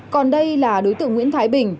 còn đây là đối tượng nguyễn thái bình